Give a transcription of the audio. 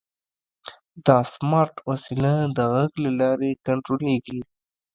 دا سمارټ وسیله د غږ له لارې کنټرولېږي.